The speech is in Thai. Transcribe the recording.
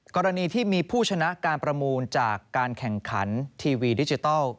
กรณีที่มีผู้ชนะการประมูลจากการแข่งขันทีวีดิจิทัล